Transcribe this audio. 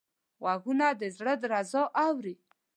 غوږونه د زړه درزا اوري